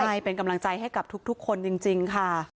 ใช่เป็นกำลังใจให้กับทุกคนจริงค่ะ